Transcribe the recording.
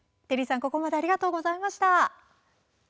テリーさん、ここまでありがとうございました。